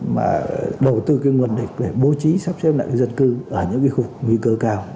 mà đầu tư cái nguồn lực để bố trí sắp xếp lại cái dân cư ở những cái khu nguy cơ cao